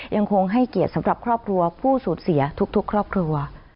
ยังคงให้เกียรติสำหรับครอบครัวผู้สูญเสียทุกครอบครัว